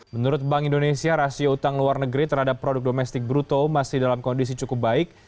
menurut bank indonesia rasio utang luar negeri terhadap produk domestik bruto masih dalam kondisi cukup baik